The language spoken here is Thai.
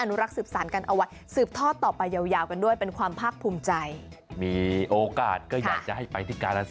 อนุรักษ์สืบสารกันเอาไว้สืบทอดต่อไปยาวกันด้วยเป็นความพรรคภูมิใจ